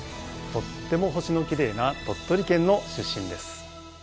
とっても星のきれいな鳥取県の出身です。